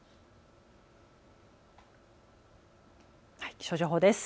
気象情報です。